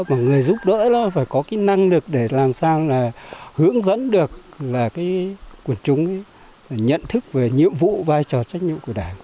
mà người giúp đỡ nó phải có cái năng lực để làm sao là hướng dẫn được là cái quần chúng nhận thức về nhiệm vụ vai trò trách nhiệm của đảng